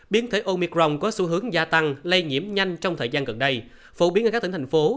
biến thể omicrong có xu hướng gia tăng lây nhiễm nhanh trong thời gian gần đây phổ biến ở các tỉnh thành phố